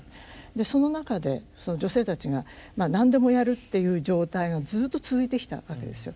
でその中で女性たちが何でもやるっていう状態がずっと続いてきたわけですよ。